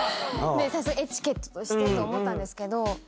エチケットとしてと思ったんですけど。